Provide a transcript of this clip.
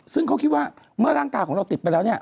ซึ่งเขาคิดว่าเมื่อร่างกายของเราติดไปแล้วเนี่ย